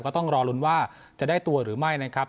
ก็ต้องรอลุ้นว่าจะได้ตัวหรือไม่นะครับ